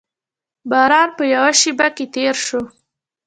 باران په یوه شېبه کې تېر شو.